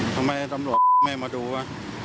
ทำไมตำรวจไม่มาดูวะ